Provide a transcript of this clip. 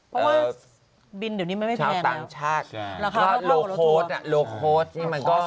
เพราะว่าบินเดี๋ยวนี้มันไม่แพงแล้วชาวต่างชาติ